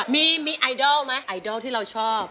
มีมีไอดอลมั้ยไอดอลที่เราชอบ